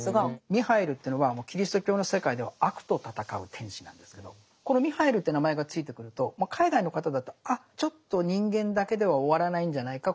ミハイルってのはもうキリスト教の世界では悪と戦う天使なんですけどこのミハイルって名前が付いてくると海外の方だと「あっちょっと人間だけでは終わらないんじゃないか